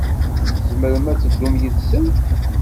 Tzemrem ad teddum yid-sen.